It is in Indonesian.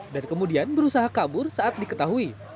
dan kemudian berusaha kabur saat diketahui